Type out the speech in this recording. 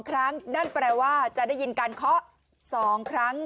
ครั้งนั่นแปลว่าจะได้ยินการเคาะ๒ครั้ง